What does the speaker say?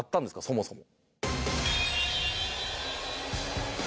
そもそも。